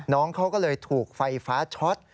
น้องเขาก็เลยถูกไฟฟ้าช็อต